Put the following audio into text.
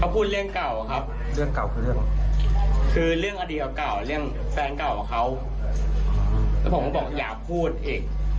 คือเรื่องอดีตเก่าเรื่องแฟนเก่าของเขาผมบอกอย่าพูดอีก